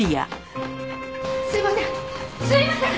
すいません！